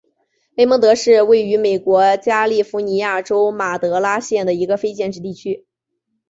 雷蒙德是位于美国加利福尼亚州马德拉县的一个非建制地区。